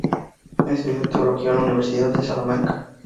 Estudió teología en la Universidad de Salamanca.